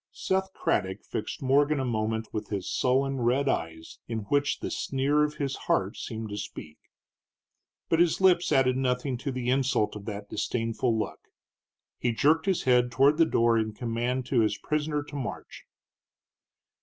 Seth Craddock fixed Morgan a moment with his sullen red eyes, in which the sneer of his heart seemed to speak. But his lips added nothing to the insult of that disdainful look. He jerked his head toward the door in command to his prisoner to march.